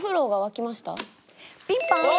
ピンポーン！